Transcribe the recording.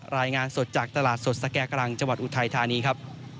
รายงานสดจากตลาดสดสแก่กลางจังหวัดอุทัยธานีครับ